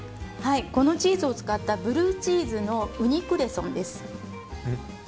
このチーズを使ったブルーチーズのウニクレソンです。